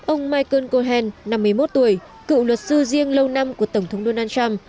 ông michael cohen năm mươi một tuổi cựu luật sư riêng lâu năm của tổng thống donald trump